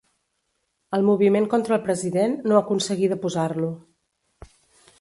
El moviment contra el president no aconseguí deposar-lo.